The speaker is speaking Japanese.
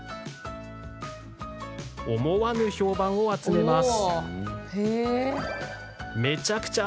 思わぬ評判を集めます。